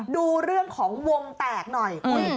ดูเรื่องของวงแตกหน่อย